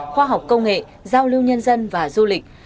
khoa học công nghệ giao lưu nhân dân và du lịch